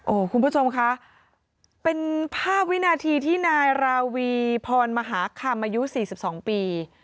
คุณผู้ชมคะเป็นภาพวินาทีที่นายราวีพรมหาคำอายุ๔๒ปี